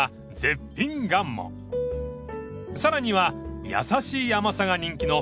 ［さらには優しい甘さが人気の］